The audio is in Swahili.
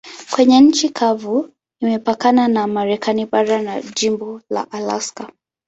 Kwenye nchi kavu imepakana na Marekani bara na jimbo la Alaska.